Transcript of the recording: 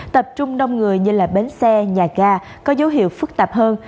tập trung đông người như bến xe nhà ga có dấu hiệu phức tạp hơn